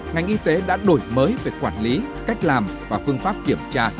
ngành y tế đã đổi mới về quản lý cách làm và phương pháp kiểm tra